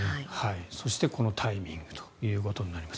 そして、このタイミングということになります。